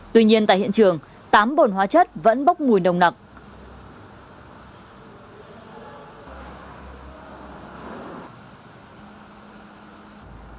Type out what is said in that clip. tuy nhiên tại hiện trường tám bồn hóa chất vẫn bốc mùi nồng nặc